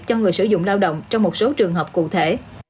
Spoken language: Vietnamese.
cho người sử dụng lao động trong một số trường hợp cụ thể